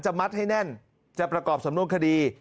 มัดให้แน่นจะประกอบสำนวนคดี